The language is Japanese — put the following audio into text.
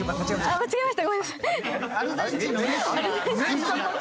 間違えました。